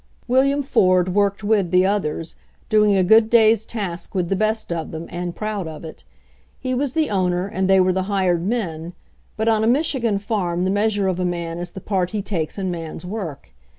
William Ford worked with the others, doing a good day's task with the best of them, and proud of it. He was the owner, and they were the hired men, but on a Michigan farm the meas ure of a man is the part he takes in man's work.